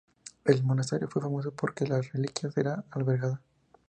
El monasterio fue famoso porque las reliquias que albergaba.